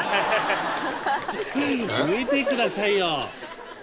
見てくださいよ！